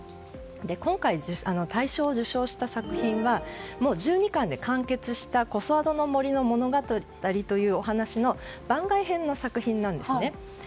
今回、大賞を受賞した作品は１２巻で完結した「こそあどの森の物語」というお話の番外編の作品なんですね。